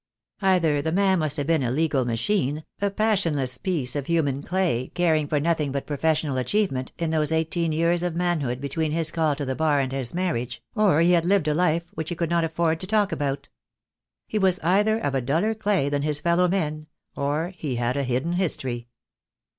Either the man must have been a legal machine, a passionless piece of human clay, caring for nothing but professional achievement, in those eighteen years of man hood between his call to the Bar and his marriage, or he had lived a life which he could not afford to talk about. He was either of a duller clay than his fellow men, or he had a hidden history.